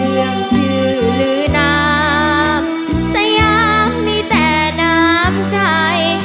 ยังชื่อหรือนามสยามมีแต่น้ำใจ